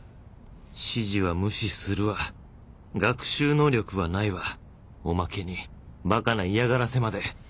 指示は無視するわ学習能力はないわおまけにバカな嫌がらせまで。